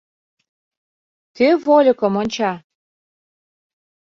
Кӧ вольыкым онча?